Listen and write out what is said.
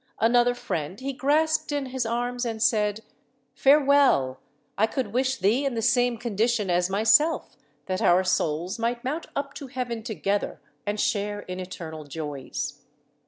Another friend he grasped in his arms and said, "Farewell! I could wish thee in the same condition as myself, that our souls might mount up to heaven together and share in eternal joys."